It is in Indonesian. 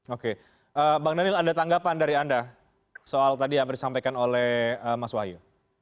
oke bang daniel ada tanggapan dari anda soal tadi yang disampaikan oleh mas wahyu